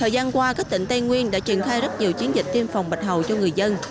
hôm qua các tỉnh tây nguyên đã truyền khai rất nhiều chiến dịch tiêm phòng bạch hầu cho người dân